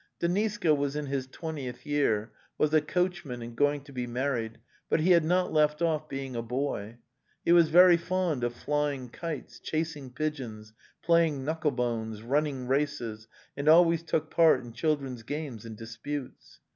De niska was in his twentieth year, was a coachman and going to be married, but he had not left off being a boy. He was very fond of flying kites, chasing pig . eons, playing knuckle bones, running races, and al ways took part in children's games and disputes.